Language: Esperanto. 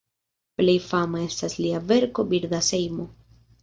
Plej fama estas lia verko "Birda sejmo".